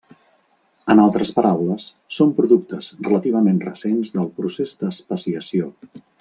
En altres paraules, són productes relativament recents del procés d'especiació.